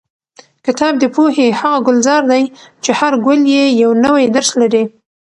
کتاب د پوهې هغه ګلزار دی چې هر ګل یې یو نوی درس لري.